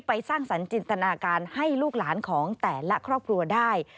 สร้างสรรค์จินตนาการให้ลูกหลานของแต่ละครอบครัวได้